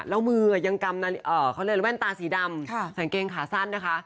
แล้วมือยังกำเอ่อเขาเล่นแว่นตาสีดำค่ะสังเกงขาสั้นนะคะ